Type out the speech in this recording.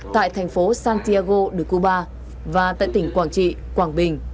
tại thành phố santiago de cuba và tại tỉnh quảng trị quảng bình